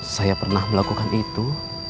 saya pernah melakukan itu